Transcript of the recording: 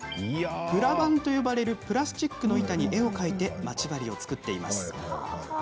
プラ板と呼ばれるプラスチックの板に絵を描いてまち針を作っています。